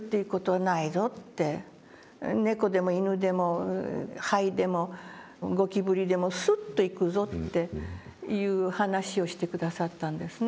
「猫でも犬でもハエでもゴキブリでもスッと行くぞ」っていう話をして下さったんですね。